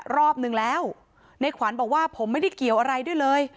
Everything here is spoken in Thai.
รอบนึงแล้วในขวัญบอกว่าผมไม่ได้เกี่ยวอะไรด้วยเลย